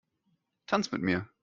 Tanz mit mir!